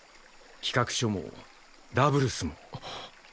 企画書もダブルスも。